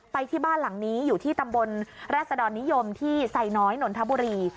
ไปที่บ้านหลังนี้อยู่ที่ตำบลราศดรนิยมที่ไซน้อยนนทบุรี